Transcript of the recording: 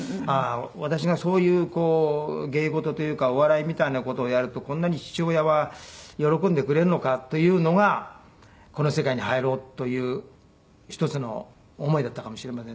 私がそういう芸事というかお笑いみたいな事をやるとこんなに父親は喜んでくれるのかというのがこの世界に入ろうという一つの思いだったかもしれませんね。